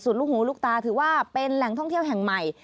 ลูกหูลูกตาถือว่าเป็นแหล่งท่องเที่ยวแห่งใหม่